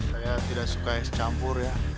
saya tidak suka campur ya